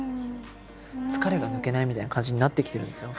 疲れが抜けないみたいな感じになってきてるんですよ。